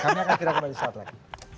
kami akan kembali suatu lagi